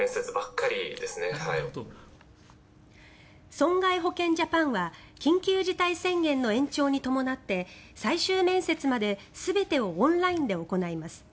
損害保険ジャパンは緊急事態宣言の延長に伴って最終面接まで全てをオンラインで行います。